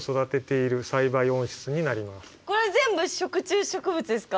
ここはこれ全部食虫植物ですか？